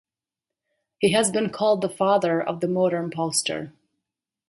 He has been called the father of the modern poster.